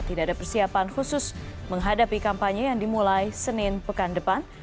tidak ada persiapan khusus menghadapi kampanye yang dimulai senin pekan depan